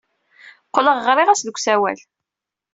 Qqleɣ ɣriɣ-as deg usawal.